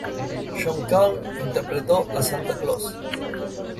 John Call interpretó a Santa Claus.